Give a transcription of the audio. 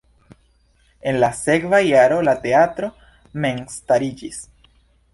En la sekva jaro la teatro memstariĝis.